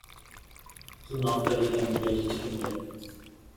Soon after he emigrated to England.